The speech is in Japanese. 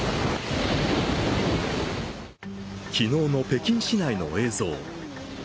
昨日の北京市内の映像。